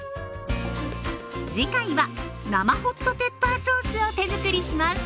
次回は生ホットペッパーソースを手づくりします。